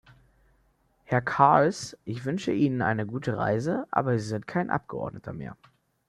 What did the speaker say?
Herr Cars, ich wünsche eine gute Reise, aber Sie sind kein Abgeordneter mehr.